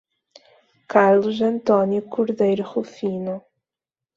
Carlos Antônio Cordeiro Rufino